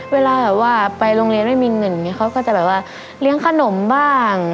เวลาแบบว่าไปโรงเรียนไม่มีเงินอย่างนี้เขาก็จะแบบว่าเลี้ยงขนมบ้าง